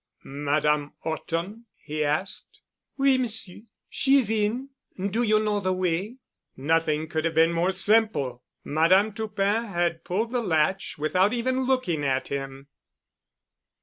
"Madame Horton?" he asked. "Oui, Monsieur. She is in. Do you know the way?" Nothing could have been more simple. Madame Toupin had pulled the latch without even looking up at him.